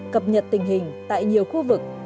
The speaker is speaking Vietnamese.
cập nhật tình hình tại nhiều khu vực